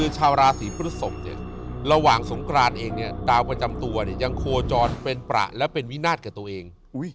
ชาวราศีพฤศพเนี่ยระหว่างสงกรานเองเนี่ยดาวประจำตัวเนี่ยยังโคจรเป็นประและเป็นวินาศกับตัวเอง